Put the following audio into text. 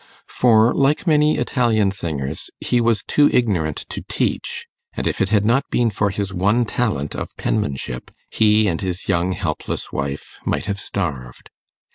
For, like many Italian singers, he was too ignorant to teach, and if it had not been for his one talent of penmanship, he and his young helpless wife might have starved.